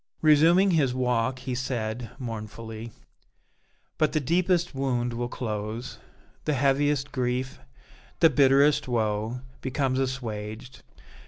Resuming his walk, he said, mournfully: "But the deepest wound will close; the heaviest grief, the bitterest woe, becomes assuaged.